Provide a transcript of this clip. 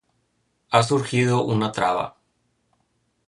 Ha surgido una traba.